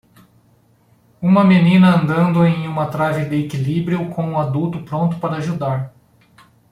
Uma menina andando em uma trave de equilíbrio com um adulto pronto para ajudar